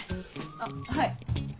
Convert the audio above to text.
あっはい。